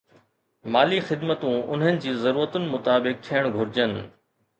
مالي خدمتون انهن جي ضرورتن مطابق ٿيڻ گهرجن